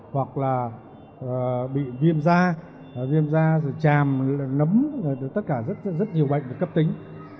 hoặc là bị viêm da viêm da tràm nấm tất cả rất nhiều bệnh cấp tính